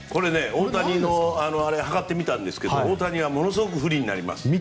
大谷を測ってみたんですが大谷はものすごく不利になります。